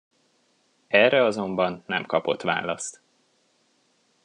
Erre azonban nem kapott választ.